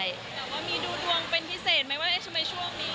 แต่ว่ามีดูดวงเป็นพิเศษไหมว่าเอ๊ะทำไมช่วงนี้